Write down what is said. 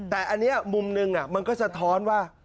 แต่อันนี้มุมหนึ่งมันก็สะท้อนว่า